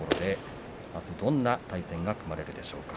あすは、どんな対戦が組まれるでしょうか。